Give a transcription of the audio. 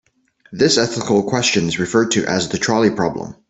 This ethical question is referred to as the trolley problem.